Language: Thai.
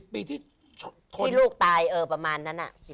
ปีที่ลูกตายประมาณนั้น